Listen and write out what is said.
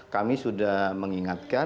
kami sudah mengingatkan